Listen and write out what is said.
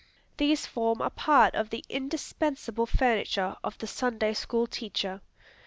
These form a part of the indispensable furniture of the Sunday School teacher.